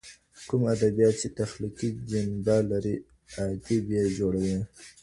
کوم ادبیات چي تخلیقي جنبه لري ادئب یې جوړوي.